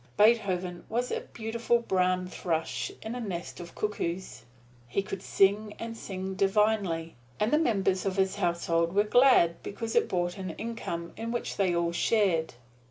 Beethoven was a beautiful brown thrush in a nest of cuckoos. He could sing and sing divinely, and the members of his household were glad because it brought an income in which they all shared.